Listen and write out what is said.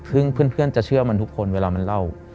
ซึ่งเพื่อนจะเชื่อมันทุกคนเวลามันเล่า